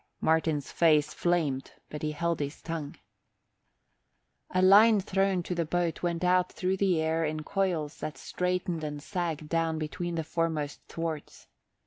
Martin's face flamed, but he held his tongue. A line thrown to the boat went out through the air in coils that straightened and sagged down between the foremost thwarts.